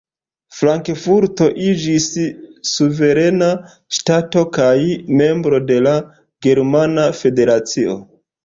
Frankfurto iĝis suverena ŝtato kaj membro de la Germana Federacio.